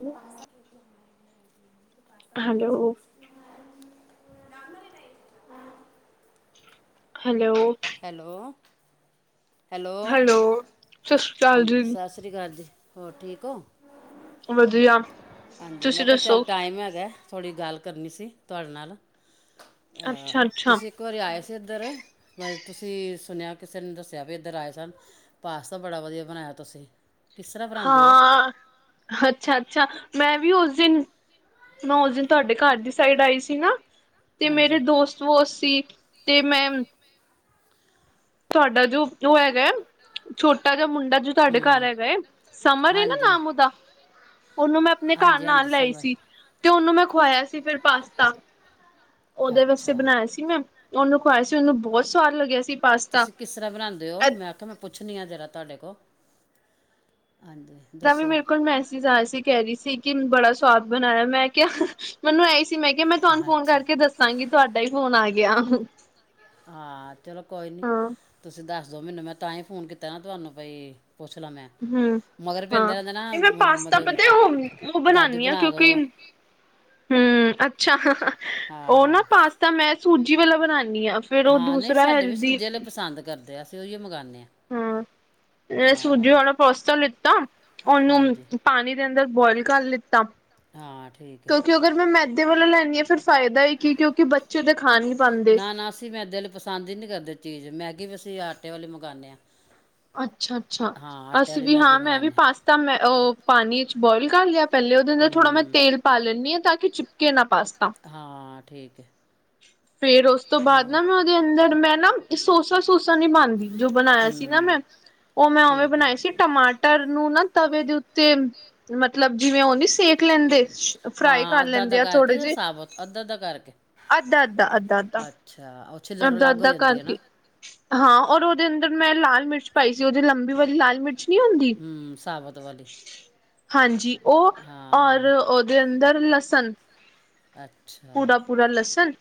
ਹ hello hello hello ਹਾਂਜੀ ਸਤਿ ਸ਼੍ਰੀ ਅਕਾਲ ਜੀ ਹੋਰ ਠੀਕ ਹੋ ਹਾਂਜੀ ਮੈਂ ਕਿਹਾ ਚੱਲ ਟਾਈਮ ਹੈਗਾ ਥੋੜੀ ਗੱਲ ਕਰਨੀ ਸੀ ਤੁਹਾਡੇ ਨਾਲ ਅਹ ਤੁਸੀਂ ਇੱਕ ਵਾਰੀ ਆਏ ਜਰਾ ਮ ਤੁਸੀਂ ਸੁਣਿਆ ਕਿਸੇ ਨੇ ਦੱਸਿਆ ਵੀ ਇੱਧਰ ਆਏ ਸਨ ਪਾਸਤਾ ਬੜਾ ਵਧੀਆ ਬਣਾਇਆ ਤੁਸੀਂ ਹਾਂ ਅੱਛਾ ਅੱਛਾ ਮੈਂ ਵੀ ਉਸ ਦਿਨ ਮੈਂ ਉਸ ਦਿਨ ਤੁਹਾਡੇ ਘਰ ਦੀ ਸਾਈਡ ਆਈ ਸੀ ਨਾ ਤੇ ਮੇਰੇ ਦੋਸਤ ਬ ਸੀ ਤੇ ਮੈਂ ਤੁਹਾਡਾ ਜੋ ਉਹ ਹੈਗਾ ਛੋਟਾ ਮਰਾ ਮੁੰਡਾ ਜੋੀ ਤੁਹਾਡੇ ਘਰ ਹੈ ਗਏ ਸਮਰ ਨਾ ਨਾਮ ਉਹਦਾ ਉਹਨੂੰ ਮੈਂ ਆਪਣੇ ਘਰ ਨਾਲ ਲੈ ਸੀ ਤੇ ਉਹਨੂੰ ਮੈਂ ਖੁਵਾਇਆ ਸੀ ਫਿਰ ਪਾਸਤਾ ਉਹਦੇ ਵਾਸਤੇ ਬਣਾਇਆ ਸੀ ਮੈਂ ਉਹਨੂੰ ਖਵਾਇਆ ਸੀ ਉਹਨੂੰ ਬਹੁਤ ਸਵਾਦ ਲੱਗਿਆ ਸੀ ਤੁਸੀਂ ਕਿਸ ਤਰ੍ਹਾਂ ਬਣਾਉਂਦੇ ਹੋ? ਮੈਂ ਆਖਿਆ ਮੈਂ ਪੁੱਛਣੀ ਹਾਂ ਜਰਾ ਤੁਹਾਡੇ ਕੋਲ ਤਾਂ ਵੀ ਮੇਰੇ ਕੋਲ ਮੈਸਜ ਆਇਆ ਸੀ, ਕਹਿ ਰਹੀ ਸੀ ਸੀ ਕਿ ਬੜਾ ਸਵਾਦ ਬਣਾਇਆ। ਮੈਂ ਕਿਹਾ ਮੈਨੂੰ ਐ ਤੇ ਮੈਂ ਕਿਹਾ ਮੈਂ ਤੁਹਾਨੂੰ ਫੋਨ ਕਰਕੇ ਦੱਸਾਂਗੀ ਤੁਹਾਡਾ ਹੀ ਫੋਨ ਆ ਗਿਆ। ਹਾਂ ਚਲੋ ਕੋਈ ਨੀ, ਤੁਸੀਂ ਦੱਸ ਦੋ ਮੈਨੂੰ ਮੈਂ ਤਾਂ ਹੀ ਫੋਨ ਕੀਤਾ ਨਾ ਤੁਹਾਨੂੰ ਬਈ ਹੂੰ ਹਾਂ, ਨਹੀ ਮੈਂ ਪਾਸਤਾ ਪਤਾ ਉਹ, ਉਹ ਬਣਾਨੀ ਹਾਂ ਕਿਉਂਕਿ ਹੂੰ ਅੱਛਾ। ਉਹ ਨਾ ਪਾਸਤਾ ਮੈਂ ਸੂਜੀ ਵਾਲਾ ਬਣਾਨੀ ਆ ਫੇਰ ਉਹ ਦੂਸਰਾ ਹੈਲਦੀ ਅਤੇ ਉਹੀ ਮਗਾਨੇ ਆ। ਹਾਂ, ਸੂਜੀ ਵਾਲਾ ਪਾਸਤਾ ਲੀ ਤਾ ਉਹਨੂੰ ਪਾਣੀ ਦੇ ਅੰਦਰ ਬੋਆਇਲ ਕਰ ਲੀਤਾ। ਕਿਉਂਕਿ ਅਗਰ ਮੈਂ ਮੈਦੇ ਵਾਲਾ ਲੈਨੀ ਹਾਂ ਫਿਰ ਫਾਇਦਾ ਹੀ ਕੀ ਕਿਉਂਕਿ ਬੱਚੇ ਦੇ ਖਾਣ ਨਾ-ਨਾ ਅਸੀਂ ਮੈਂ ਦਿਲ ਪਸੰਦ ਹੀ ਨਹੀਂ ਕਰਦੇ ਚੀਜ਼ ਮੈਗੀ ਵੀਸੀਂ ਮੈਦੇ ਵਾਲੇ ਮੰਗਾਨੇ ਆ। ਅੱਛਾ-ਅੱਛਾ ਅਸੀਂ ਵੀ ਹਾਂ ਮੈਂ ਵੀ ਪਾਸਤਾ ਮੈਂ ਪਾਣੀ 'ਚ ਬੋਆਇਲ ਕਰ ਲਿਆ। ਪਹਿਲੇ ਉਹਦੇੰ ਅੰਦਰ ਥੋੜਾ ਮੈਂ ਤੇਲ ਪਾ ਲੈਂਦੀ ਹਾਂ ਤਾਂ ਕਿ ਚਿਪ ਕੇ ਨਾ ਪਾਸਤਾ। ਠੀਕ ਹੈ। ਫੇਰ ਉਸ ਤੋਂ ਬਾਅਦ ਨਾ ਮੈਂ ਉਹਦੇ ਅੰਦਰ ਮੈਂ ਨਾ ਇਹ ਸੋਸਾ-ਸੂਸਾ ਨੀ ਪਾਂਦੀ। ਜੋ ਬਣਾਇਆ ਸੀ ਨਾ ਮੈਂ, ਉਹ ਮੈਂ ਉਵੇਂ ਬਣਾਏ ਸੀ ਟਮਾਟਰ ਨੂੰ ਨਾ ਤਵੇ ਦੇ ਉੱਤੇ, ਮਤਲਬ ਜਿਵੇਂ ਉਹ ਨੀ ਸੇਕ ਲੈਂਦੇ ਹਾਂ-ਹਾਂ ਅੱਧਾ-ਅੱਧਾ ਕਰਕੇ ਜਾਂ ਸਾਬਤ, ਅੱਧਾ-ਅੱਧਾ ਕਰਕੇ। ਅੱਧਾ ਅੱਧਾ ਅੱਧਾ-ਅੱਧਾ। ਅੱਧਾ-ਅੱਧਾ ਕਰਕੇ ਹਾਂ ਔਰ ਉਹਦੇ ਅੰਦਰ ਮੈਂ ਲਾਲ ਮਿਰਚ ਪਾਈ ਸੀ ਉਹਦੀ ਲੰਬੀ ਵਾਲੀ ਲਾਲ ਮਿਰਚ ਹਮ ਸਾਬਤ ਵਾਲੀ ਹਾਂਜੀ ਉਹ ਔਰ ਉਹਦੇ ਅੰਦਰ ਸਨ ਪੂਰਾ ਪੂਰਾ ਲਸਣ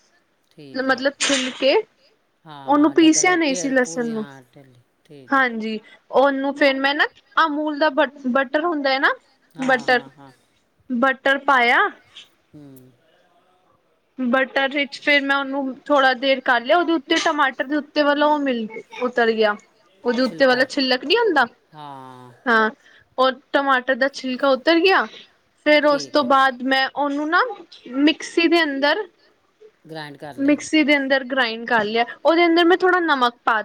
ਮਤਲਬ ਕੇ ਉਹਨੂੰ ਪੀਸਿਆ ਨਹੀਂ ਸੀ ਲਸਣ ਨੂੰ ਹਾਂਜੀ ਉਹਨੂੰ ਫੇਿਰ ਮੈਂ ਨਾ ਅਮੂਲ ਦਾ ਬ ਬਟਰ ਹੁੰਦਾ ਹੈ ਨਾ ਹਾਂ ਹਾਂ ਹਾਂ ਬਟਰ ਪਾਇਆ ਹਮ ਬਟਰ ਵਿੱਚ ਫੇਿਰ ਮੈਂ ਉਹਨੂੰ ਥੋੜਾ ਦੇਰ ਕਰ ਲਿਆ ਉਹਦੇ ਉੱਤੇ ਟਮਾਟਰ ਦੇ ਉੱਤੇ ਵਤਲਬ ਉਹ ਮਿਲ ਉਤਰ ਗਿਆ ਕੁ ਜੂੱਤੇ ਵਾਲਾ ਛਲਕ ਨੀ ਆਉਂਦਾ ਹਾਂ ਰ ਟਮਾਟਰ ਦਾ ਛਿਲਕਾ ਉਤਰ ਗਿਆ ਫੇਰ ਉਸ ਤੋਂ ਬਾਅਦ ਮੈਂ ਉਹਨੂੰ ਨਾ ਮਿਕਸੀ ਦੇ ਅ ਦਰ ਗ੍ਰਾਇੰਡ ਕਰ ਲਿਆ ਗ੍ਰਾਈੰਡ ਕਰ ਲਿਆ ਉਹਦੇ ਅੰਦਰ ਮੈਂ ਥੋੜਾ ਨਮਕ ਪਾ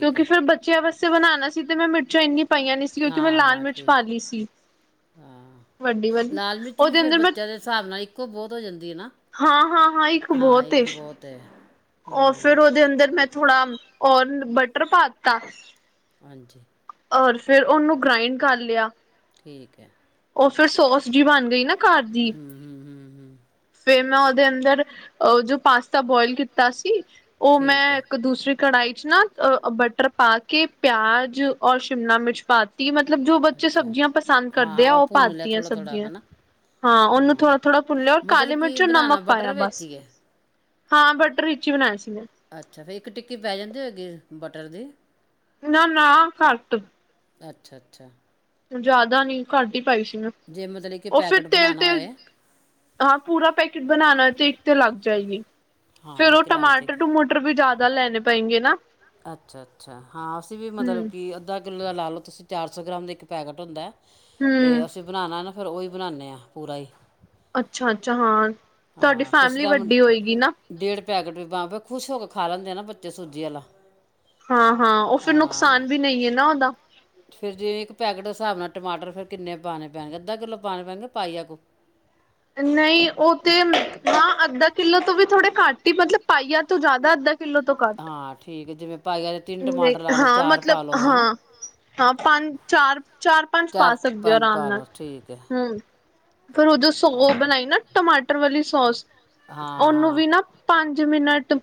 ਕਿਉਂਕਿ ਫੇਿਰ ਬੱਚਿਆਂ ਵਾਸ ਬਣਾਉਣਾ ਸੀ ਤੇ ਮੈਂ ਮਿਰਚਾਂ ਇੰਨੀ ਹਾਂ ਹਾਂ ਠੀਕ ਹਾਂ ਲਾਲ ਮਿਰਚ ਵੀ ਫਿਰ ਬੱਚਿਆਂ ਦੇ ਹਿਸਾਬ ਨਾਲ ਇੱਕੋ ਬਹੁਤ ਹੋ ਜਾਂਦੀ ਆ ਨਾ ਹਾਂ ਇੱਕ ਬਹੁਤ ਹੈ ਰ ਫੇਰ ਉਹਦੇ ਅੰਦਰ ਮੈਂ ਥੋੜ੍ਹਾ ਔਰ ਬਟਰ ਪਾ ਹਾਂਜੀ ਔਰ ਫੇਰ ਉਹਨੂੰ ਗ੍ਰਾਈੰਡ ਕਰ ਲਿਆ ਠੀਕ ਹੈ ਉਹ ਫੇਰ ਸੋਸ ਜ ਬਣ ਗਈ ਨਾ ਘਰ ਦੀ ਫੇਿਰ ਮੈਂ ਉਹਦੇ ਅੰਦਰ ਜੋ ਪਾਸਤਾ ਬੋਇਲ ਕੀਤਾ ਸੀ ਉਹ ਮੈਂ ਇੱਕ ਦੂਸਰੀ ਕੜਾਈ ਨਾ ਅ ਬਟਰ ਪਾ ਕੇ ਪਿਆਜ ਔਰ ਸ਼ਿਮਲਾ ਮਿਰਚ ਪਾ ਮਤਲਬ ਜੋ ਬੱਚੇ ਸਬਜ਼ੀਆਂ ਪਸੰਦ ਕਰਦੇ ਉਹ ਪਾ ਦਿੱਤੀਆਂ ਸਬਜ਼ੀਆਂ ਹਾਂ ਉਹਨੂੰ ਥੋੜ੍ਹਾ ਥੋੜ੍ਹਾ ਭੁੰਨਿਆ ਔਰ ਕਾਲੀ ਮਿਰਚ ਨਮਕ ਪਾਇਆ ਬਸ ਹਾਂ ਬਟਰ ਰਿਚੀ ਬਣਾਇਆ ਸੀ ਅੱਛਾ, ਫੇਰ ਇੱਕ ਟਿੱਕੀ ਪੈ ਜਾਂਦੀ ਹੋਏਗੀ ਬਟਰ ਦੀ? ਨਾ ਨਾ, ਘੱਟ। ਅੱਛਾ ਅੱਛਾ। ਜ਼ਿਆਦਾ ਨੀ, ਘੱਟ ਈ ਪਾਈ ਸੀ। ਉਹ ਫਿਰ ਤੇਲ ਤੇਲ, ਹਾਂ ਪੂਰਾ ਪੈਕ ਟ ਬਣਾਉਣਾ ਤੇ ਇੱਕ ਤੇ ਲੱਗ ਜਾਏਗੀ। ਫੇਰ ਉਹ ਟਮਾਟਰ ਟਮੂਟਰ ਵੀ ਜ਼ਿਆਦਾ ਲੈਣੇ ਪਏਂਗੇ ਨਾ। ਅੱਛਾ ਅੱਛਾ, ਹਾਂ ਅਸੀਂ ਵੀ ਮਤਲਬ ਕਿ ਅੱਧਾ ਕਿੱਲੋ ਦਾ ਲਾ ਲਓ ਤੁਸੀਂ, ਚਾਰ ਸੌ ਗ੍ਰਾਮ ਦੇ ਇੱਕ ਪੈਕਟ ਹੁੰਦੈ ਤੇ ਅਸੀਂ ਬਣਾਣਾ ਨਾ ਫੇਰ ਉਹੀ ਬਣਾਨੇ ਆਂ, ਪੂਰਾ ਈ। ਅੱਛਾ ਅੱਛਾ, ਹਾਂ। ਹਾਂ, ਕਿਸੇ ਟੈਮ ਡੇਢ ਪੈਕੇਟ ਵੀ ਬਾਂ ਬ ਖੁਸ਼ ਹੋ ਕੇ ਖਾ ਲੈਂਦੇ ਆ ਨਾ ਬੱਚੇ ਸੂਜੀ ਆਲਾ। ਹਾਂ ਹਾਂ, ਉਹ ਫਿਰ ਨੁਕਸਾਨ ਵੀ ਨਈ ਐ ਨਾ ਉਹਦਾ। ਫਿਰ ਜਿਵੇਂ ਇੱਕ ਪੈਕਟ ਦੇ ਹਿਸਾਬ ਨਾਲ ਟਮਾਟਰ ਫਿਰ ਕਿੰਨੇ ਪਾਣੇ ਪੈਣਗੇ? ਅੱਧਾ ਕਿੱਲੋ ਪਾਣੇ ਪੈਣਗੇ ਕ ਪਾਈਆ ਕੁ? ਨਹੀਂ, ਉਹ ਤੇ ਹਾਂ, ਅੱਧਾ ਕਿੱਲੋ ਤੋਂ ਵੀ ਥੋੜੇ ਘੱਟ ਹੀ, ਮਤਲਬ ਪਾਈਆ ਤੋਂ ਜ਼ਿਆਦਾ ਅੱਧਾ ਹਾਂ, ਠੀਕ ਐ, ਜਿਵੇਂ ਪਾਈਆ ਚ ਤਿੰਨ ਟਮਾਟਰ ਲਾ ਲਓ, ਚਾਰ ਪਾ ਲਓ, ਹਨਾ? ਪੰਜ ਚਾਰ ਚਾਰ-ਪੰਜ ਪਾ ਸਕਦੇ ਓ ਆਰਾਮ ਨਾਲ। ਹੂੰ। ਫੇਰ ਉਹ ਸਗੋ ਉਹ ਬਣਾਈ ਨਾ ਟਮਾਟਰ ਵਾਲੀ ਸੌਸ ਉਹਨੂੰ ਵੀ ਨਾ, ਪੰਜ ਜਿਵੇਂ ਨਾ ਟ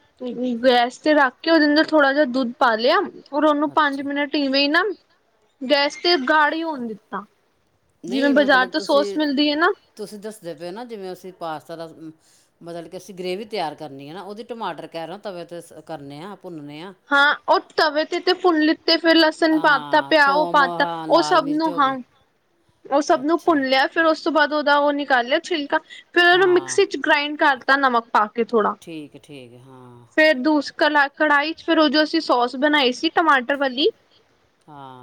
ਗੈਸ ਤੇ ਰੱਖ ਕੇ ਉਹਦੇ ਅੰਦਰ ਥੋੜਾ ਜਿਹਾ ਦੁੱਧ ਪਾ ਲਿਆ ਔਰ ਉਹਨੂੰ ਪੰਜ ਮਿੰਟ, ਇਵੇਂ ਈ ਨਾ ਗੈਸ ਤੇ ਗਾੜੇ ਹੋਣ ਦਿੱਤਾ। ਨਈ, ਮਤਲਬ ਤੁਸੀਂ, ਤੁਸੀਂ ਦੱਸਦੇ ਪਏ ਓ ਨਾ ਜਿਵੇਂ ਅਸੀਂ ਪਾਸਤਾ ਦਾ ਮਤਲਬ ਕਿ ਅਸੀਂ ਗ੍ਰੇਵੀ ਤਿਆਰ ਕਰਨੀ ਐ ਨਾ, ਉਹਦੇ ਟਮਾਟਰ ਕਹਿ ਰੇ ਓ, ਤਵੇ ਤੇ ਸ ਕਰਨੇ ਆ। ਹਾਂ, ਉਹ ਤਵੇ ਤੇ ਤਾਂ ਭੁੰਨ ਲਿੱਤੇ, ਫਿਰ ਲਸਣ ਪਾਤਾ, ਪਿਆਓ ਪਾਤਾ, ਉਹ ਸਭ ਨੂੰ ਹਾਂ ਉਹ ਸਭ ਨੂੰ ਭੁੰਨ ਲਿਆ, ਫਿਰ ਉਸ ਉਸ ਤੋਂ ਬਾਅਦ ਉਹਦਾ ਉਹ ਨਿਕਾਲ ਲਿਆ ਛਿਲਕਾ। ਫੇਰ ਉਹਨੂੰ ਮਿਕਸੀ ਚ ਗ੍ਰਾਇੰਡ ਕਰਤਾ, ਨਮਕ ਪਾ ਕੇ ਥੋੜਾ, ਫੇਰ ਦੂਸਰੇ ਕਲਾ ਕੜਾਹੀ ਚ, ਫਿਰ ਉਹ ਜੋੋਂ ਅਸੀਂ ਸੋਸ ਬਣਾਏ ਸੀ, ਟਮਾਟਰ ਵਾਲੀ।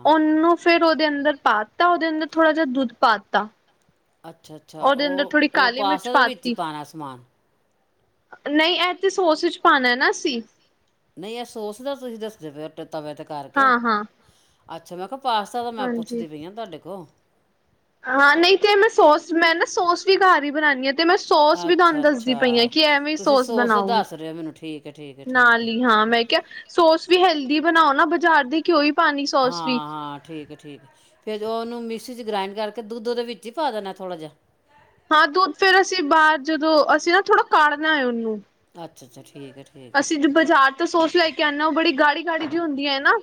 ਉਹਨੂੰ ਫਿਰ ਉਹਦੇ ਅੰਦਰ ਪਾਤਾ ਉਹਦੇ ਅੰਦਰ ਥੋੜਾ ਜਿਹਾ ਦੁੱਧ ਪਾ ਤਾ ਅੱਛਾ-ਅੱਛਾ ਉਹ, ਉਹ ਪਾ ਸਕਦੇ ਉਹਦੇ ਵਿੱਚ ਤਾਂ ਸਮਾਨ ਨਹੀਂ ਇਹ ਤੇ ਸੋਸ ਵਿੱਚ ਪਾਉਣਾ ਨਾ ਅਸੀਂ ਨਹੀਂ ਅਫਸੋਸ ਦਾ ਤੁਸੀਂ ਦੱਸਦੇ ਪਏ ਤਵੇ ਤੇ ਕਰਕੇ ਅੱਛਾ ਮੈਂ ਕਿਹਾ ਪਾਸਤਾ ਤਾਂ ਮੈਂ ਪੁੱਛਦੀ ਪਈ ਹਾਂ ਤੁਹਾਡੇ ਕੋਲ ਹਾਂ ਨਹੀਂ ਤੇ ਇਹ ਮੈਂ ਸੋਸ ਮੈਂ ਨਾ ਸੋਸ ਘਰ ਹੀ ਬਣਾਨਣੀ ਹੈ ਤੇ ਮੈਂ ਸੋਸ ਵੀ ਤੁਹਾਨੂੰ ਦੱਸਦੀ ਪਈ ਹ ਕਿ ਐਵੇਂ ਸੋਸ ਬਣਾਉਗੀ ਨਾਲ ਹੀ ਹਾਂ ਮੈਂ ਕਿਹਾ ਸੋਸ ਵੀ ਹੈ ਦੀ ਬਣਾਓ ਨਾ ਬਾਜ਼ਾਰ ਦੀ ਘਓਈ ਹਾਂ ਹਾਂ ਠੀਕ ਠੀਕ ਫੇਰ ਉਹਨੂੰ ਮ ਚ ਗ੍ਰਾਇੰਡ ਕਰਕੇ ਦੁੱਧ ਉਹਦੇ ਵਿੱਚ ਹੀ ਪਾ ਦੇਣਾ ਥੋੜਾ ਜਿਹਾ ਹਾਂ ਦੁੱਧ ਫੇਰ ਅਸੀਂ ਬਾਹਰ ਜਦੋਂ ਅਸੀਂ ਨਾ ਥੋੜਾ ਕਢਨਾ ਹੈ ਉਹਨੂੰ ਅੱਛਾ ਅ ਜੀ ਅਸੀਂ ਜੋ ਬਾਜ਼ਾਰ ਤੋਂ ਸੋਚ ਲੈ ਕੇ ਆਂਨਾ ਉਹ ਬੜੀ ਗਾੜੀ ਗਾੜੀ ਕਿਉਂ ਨਾ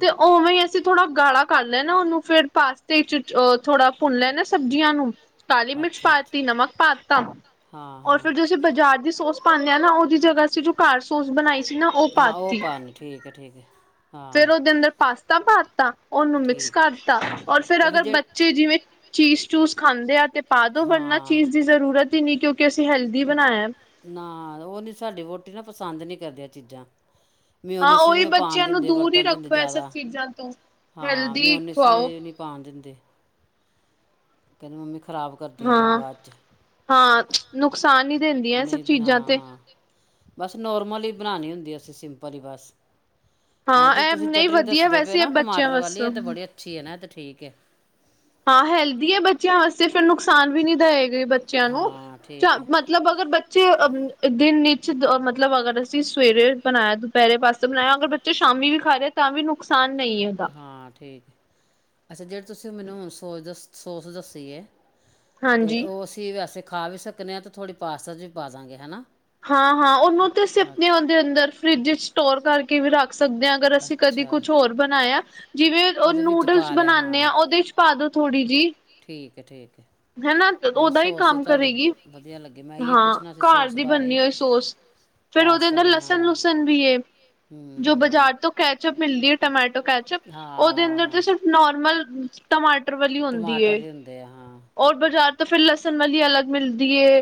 ਤੇ ਉਵੇਂ ਅਸੀਂ ਥੋੜਾ ਗਾਲਾ ਕਰ ਲੈਣਾ ਉਹਨੂੰ ਫੇਿਰ ਪਾਸਤੇ ਚ ਅ ਥੋੜਾ ਭੁੰਨ ਲੈ ਨਾ ਸਬਜ਼ੀਆਂ ਨੂੰ ਕਾਲੀ ਮਿਰਚ ਪਾ ਤ ਨਮਕ ਪਾਤਾ ਔਰ ਫਰ ਜ ਅਸੀਂ ਬਾਜ਼ਾਰ ਦੀ ਸੋਸ ਪਾਉਂਦੇਾਂ ਨਾ ਉਹ ਜਗ੍ਹਾ ਸੀ ਜੋ ਕਾਰਸੋਸ ਬਣਾਈ ਨਾ ਉਹ ਪਾਤੀ ਫੇਰ ਉਹਦੇ ਅੰਦਰ ਪਾਸਤਾ ਪਾਤਾ ਉਹਨੂੰ ਮਿਕਸ ਕਰਤਾ ਔਰ ਫੇਰ ਅਗਰ ਬੱਚੇ ਜਿਵੇਂ ਚੀਜ਼ ਚੂਸ ਖਾਂਦੇ ਆ ਤੇ ਪਾ ਦੋ ਬਣਨਾ ਚੀਜ਼ ਦੀ ਜ਼ਰੂਰਤ ਹੀ ਨਹੀਂ ਕਿਉਂਕਿ ਕਿ ਅਸੀਂ ਹੈਲਦੀ ਬਣਾਇਆ ਨਾ ਉਹ ਨੀ ਸਾਡੀ ਰੋਟੀ ਨਾ ਪਸੰਦ ਨੀ ਕਰਦੀਆਂ ਚੀਜ਼ਾਂ ਮਿ ਉਨੀਸ ਵੀ ਨੀ ਪਾਉਣ ਦਿੰਦੇ ਬਰਤਨ ਦਿੰਦੇ ਜ਼ਿਆਦਾ ਹਾਂ ਮ ਉਨੀਸ ਵੀ ਨਹੀਂੀ ਪਾਉਣ ਦਿੰਦੇ ਕਹ ਮੈਂ ਮ ਹਾਂ ਹਾਂ ਨੁਕਸਾਨ ਨ ਦਿੰਦੀਆਂ ਇਹ ਸਭ ਚੀਜ਼ਾਂ ਤੇ ਬਸ ਨਾਰਮਲ ਹੀ ਬਣਾਉਣੀ ਹੁੰਦੀ ਅਸੀਂ ਸਿੰਪਲ ਹੀ ਬਸ ਹਾਂ ਜ ਤੁਸੀਂ ਚਟਨੀ ਦੱਸਦੇ ਪਏ ਨਾ ਟਮਾਟਰ ਵਾਲੀ ਆ ਤੇ ਬੜੀ ਅੱਛੀ ਹੈ ਨਾ ਠੀਕ ਹੈ ਹਾਂ ਹੈਲਦੀ ਹੈ ਬੱਚਿਆਂ ਵਾਸਤੇ ਫੇਰ ਨੁਕਸਾਨ ਵੀ ਨੀ ਦਾ ਹੈਗਾ ਬੱਚਿਆਂ ਨੂੰ, ਚ ਮਤਲਬ ਅਗਰ ਬੱਚੇ, ਅ ਦਿਨ ਨੀ ਮਤਲਬ, ਅਗਰ ਅਸੀ ਸਵੇਰੇ ਬਣਾਇਆ, ਦੁਪਹਿਰੇ ਵਾਸਤੇ ਬਣਾਇਆ, ਅਗਰ ਬੱਚੇ ਸ਼ਾਮੀ ਵੀ ਖਾ ਰਹੇ ਤਾਂ, ਵੀ ਨੁਕਸਾਨ ਹਾਂ, ਠੀਕ। ਅੱਛਾ, ਜਿਹੜੇ ਤੁਸੀ ਮੈਨੂੰ ਸੋਚ ਦਸ, ਸੌਸ ਦੱਸੀ ਹੈ। ਤੇ, ਉਹ ਅਸੀ ਵੈਸੇ- ਖਾ-ਵੀ ਸਕਨੇ ਆਂ, ਤੇ, ਥੋੜ੍ਹੀ ਪਾਸ ਵੀ ਪਾ ਦਾਂਗੇ ਹੇਨਾ ਹਾਂ, ਹਾਂ ਉਹਨੂੰ ਤੇ, ਅਸੀਂ ਆਪਨੀ ਉਹਦੇ ਅੰਦਰ ਫਰਿੱਜ ਸਟੋਰ ਕਰਕੇ ਵੀ ਰੱਖ ਸਕਦੇ ਹਾਂ ਅਗਰ ਅਸੀਂ ਕਦੇ ਕੁਛ ਹੋਰ ਬਣਾਇਆ, ਜਿਵੇਂ ਉਹ ਨੂਡਲਸ ਬਣਾਂਨੇ ਆ, ਉਹਦੇ ਚ ਪਾਦੋ ਥੋੜੀ ਜਿਹੀ। ਓਕੇ, ਠੀਕ। ਹੈਨਾ ਉਹਦਾ ਹੀ ਕੰਮ ਕਰੇਗੀ, ਹਾਂ। ਘਰ ਦੀ ਬਣਨੀ ਹੋਈ ਸੋਸ ਫਿਰ ਉਹਦੇ ਅੰਦਰ ਲਸਣ- ਲੁਸਣ ਵੀ ਹੈ, ਜੋ ਬਾਜ਼ਾਰ ਤੋਂ ਕੈਚਅਪ ਮਿਲਦੀ ਹੈ ਟਮੈਟੋ ਕੈਚ ਉਹਦੇ ਅੰਦਰ ਤੇ ਸਿਰਫ ਨੌਰਮਲ ਹਾਂਜੀ। ਟਮਾਟਰ ਵਾਲੀ ਹੋਂਦੀ ਏ। ਔਰ ਬਾਜ਼ਾਰ ਤੋਂ ਫਿਰ ਲਸਨ ਵਾ ਅਲੱਗ ਮਿਲਦੀ ਹੈ।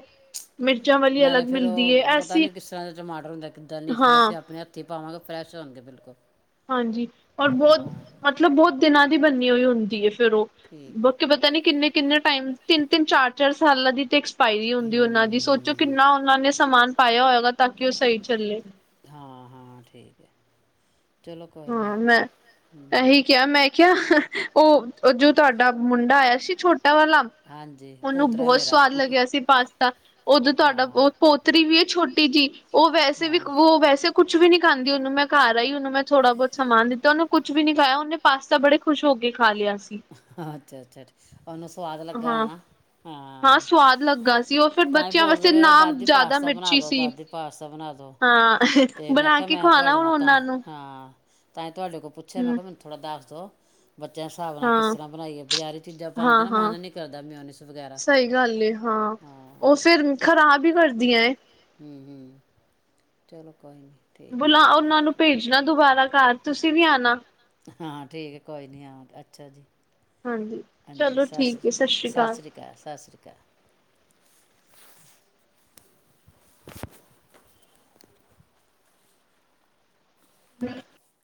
ਨਾਲੇ ਫੇਰ ਉਹ ਪਤਾ ਨੀ, ਕਿਸ ਤਰ੍ਹਾਂ ਦੇ ਟਮਾਟਰ ਹੁੰਦੇ ਕਿੱਦਾਂ ਨੀ ਫੇਰ, ਅਸੀਂ ਆਪਣੇ ਹੱਥੀ ਪਾਵਾਂਗੇ। ਫਰੈਸ਼ ਹੋਣਗੇ, ਬਿਲਕੁਲ। ਹਾਂਜੀ। ਔਰ ਬਹੁਤ, ਮਤਲਬ, ਬਹੁਤ ਤੇ ਨਾਂ ਦੀ ਬਣਨੀ ਹੋਈ ਹੁੰਦੀ ਹੈ। ਫੇਰ ਉਹ ਬਾਕੀ ਪਤਾ ਨੀ ਕਿੰਨੇ- ਕਿੰਨੇ ਟਾਈਮ ਤਿੰਨ- ਤਿੰਨ, ਚਾਰ- ਚਾਰ ਸਾਲ ਦੀ ਟੇਕਸ ਪਾਈ ਵੀ ਹੁੰਦੀ ਉਹਨਾਂ ਦੀ, ਸੋਚੋ, ਕਿੰਨਾ ਉਹਨਾਂ ਨੇ ਸਮਾਨ ਪਾਇਆ ਹੋਇਏਗਾ ਤਾ, ਕਿ ਉਹ ਸਹੀ ਚੱਲੇ। ਹਾਂ, ਮੈਂ ਐਹੀ ਕਿਹਾ, ਮੈਂ ਕਿਹਾ, ਉਹ ਉਹ ਜੋ ਤੁਹਾਡਾ ਮੁੰਡਾ ਆਇਆ ਸੀ ਛੋਟਾ। ਵਾਲਾ ਉਹਨੂੰ ਬਹੁਤ ਸਵਾਦ ਲੱਗਿਆ ਸੀ, ਪਾਸਤਾ ਉਦੋਂ ਤੁਹਾਡਾ ਉਹ ਪੋਤਰੀ ਵੀ, ਏ ਛੋਟੀ ਜਿਹੀ, ਉਹ ਵੈਸੇ- ਵੀ-ਉਹ ਵੈਸੇ ਕੁ ਕੁਛ ਵੀ ਨੀ ਖਾਂਦੀ, ਉਹਨੂੰ ਮੈਂ ਘਾਰ ਆਈ ਉਹਨੂੰ ਮੈਂ ਥੋੜਾ ਬਹੁਤ ਸਮਾਨ ਦਿੱਤਾ। ਉਹਨੇ ਕੁੱਛ ਵੀ ਨੀ ਖਾਇਆ, ਉਹਨੇ ਪਾਸਤਾ ਬੜੇ ਖੁਸ਼ ਹੋ, ਕੇ ਖਾ ਲਿਆ। ਅੱਛਾ -ਅਛਾ। [inaudible] ਉਹਨੂੰ ਸਵਾਦ ਲੱਗਾ ਹੈਾ ਹਾਂ ਤਾਂ ਹੀ ਬੋਲਦੇਵੇ ਦਾਦੀ ਪਾਸਤਾ ਬਣਾ ਦੋ ਦਾਦੀ ਪਾਸਤਾ ਬਣਾ ਦੋ ਤੇ ਮੈਂ ਕਿਹਾ ਮੈਂ ਤੁਹਾਡੇ ਨਾਲ ਤਾਂ ਹਾਂ ਤਾਂ ਤੁਹਾਡੇ ਕੋਲ ਪੁੱਛਿਆ ਮੈਂ ਕਿਹਾ ਮੈਨੂੰ ਥੋੜਾ ਦੱਸ ਚ ਬੱਚਿਆਂ ਹਿਸਾਬ ਨਾਲ ਹਾਂ ਹਾਂ ਹਾਂ ਸਹੀ ਗੱਲ ਹਾਂ ਉਹ ਫਿਰ ਖਰਾ ਵੀ ਕਰਦੀਆਂ ਚਲੋ ਬੁਲਾ ਉਹਨਾਂ ਨੂੰ ਭੇਜਣਾ ਦੁਬਾਰਾ ਘਰ ਤੁਸੀਂ ਵੀ ਆਉਣਾ ਹਾਂ ਠੀਕ ਹੈ ਕੋਈ ਨੀ ਹਾਂ ਅੱਛਾ ਜੀ ਹਾਂਜੀ ਚਲੋ ਠੀਕ ਹੈ ਸਤਿ ਸ਼੍ਰੀ ਅਕਾਲ ਠ [inaudible]